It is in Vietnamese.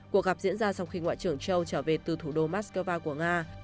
cuộc gặp diễn ra sau khi ngoại trưởng châu trở về từ thủ đô moscow của nga